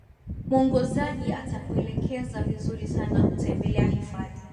muongozaji atakuelekeza vizuri sana kutembelea hifadhi